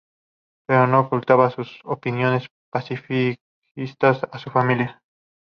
Pero no ocultaba sus opiniones pacifistas a su familia.